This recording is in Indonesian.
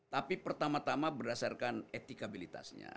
tapi pertama tama berdasarkan etikabilitasnya